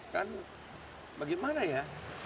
kan bagaimana ya